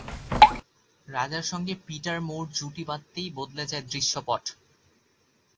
রাজার সঙ্গে Peter Moore জুটি বাঁধতেই বদলে যায় দৃশ্যপট।